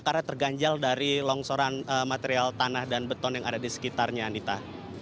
karena terganjal dari longsoran material tanah dan beton yang ada di sekitarnya anita